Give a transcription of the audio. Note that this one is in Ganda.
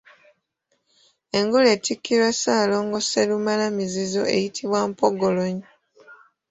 Engule etikkirwa Ssaalongo Sserumala mizizo eyitibwa Mpongolonyi.